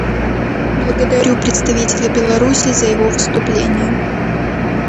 Благодарю представителя Беларуси за его выступление.